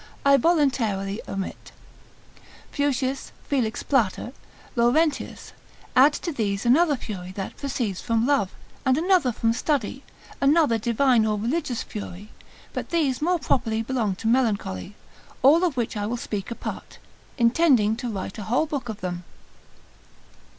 I voluntarily omit. Fuschius, Institut. lib. 3. sec. 1. cap. 11, Felix Plater, Laurentius, add to these another fury that proceeds from love, and another from study, another divine or religious fury; but these more properly belong to melancholy; of all which I will speak apart, intending to write a whole book of them.